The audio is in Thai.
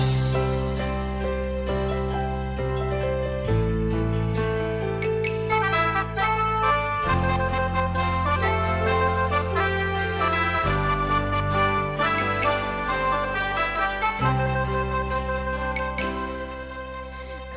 จักร